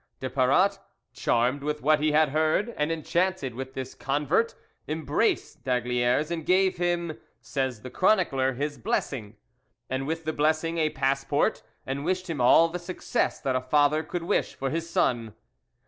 De Paratte, charmed with what he had heard, and enchanted with his convert, embraced d'Aygaliers, and gave him, says the chronicler, his blessing; and with the blessing a passport, and wished him all the success that a father could wish for his son.